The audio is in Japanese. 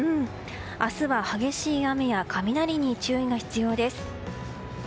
明日は激しい雨や雷に注意が必要です。